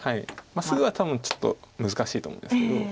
すぐは多分ちょっと難しいと思うんですけど。